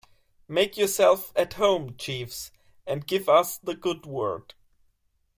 Make yourself at home, Jeeves, and give us the good word.